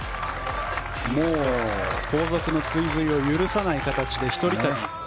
もう後続の追随を許さない形で一人旅。